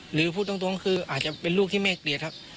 หรือพูดตรงคืออาจจะเป็นลูกที่แม่เกลียดครับ